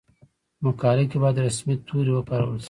په مقاله کې باید رسمي توري وکارول شي.